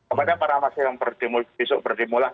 apabila para masyarakat yang besok berdemulai